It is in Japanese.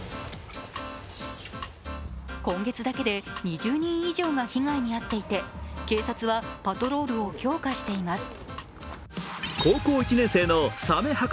今月だけで２０人以上が被害に遭っていて警察はパトロールを強化しています。